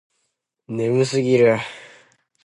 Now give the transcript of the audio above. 眠すぎる